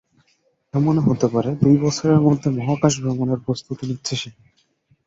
এমনও হতে পারে, দুই বছরের মধ্যে মহাকাশ ভ্রমণের প্রস্তুতি নিচ্ছে সে।